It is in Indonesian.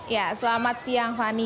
ya selamat siang fani